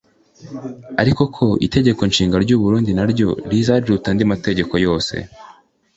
ariko ko Itegeko Nshinga ry’u Burundi na ryo riza riruta andi mategeko yose